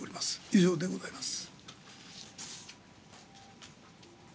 以上でございます。